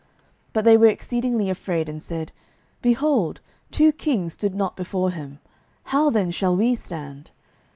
12:010:004 But they were exceedingly afraid, and said, Behold, two kings stood not before him: how then shall we stand?